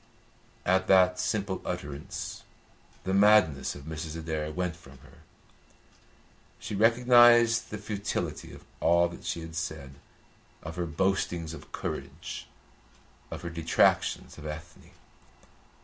At that simple utterance the madness of Mrs. Adair went from her. She recognised the futility of all that she had said, of her boastings of courage, of her detractions of Ethne.